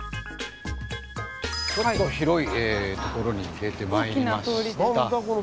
ちょっと広い所に出てまいりました。